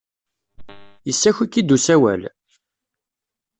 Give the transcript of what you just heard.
Yessaki-k-id usawal?